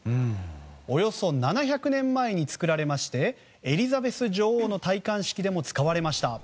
およそ７００年前に作られましてエリザベス女王の戴冠式でも使われました。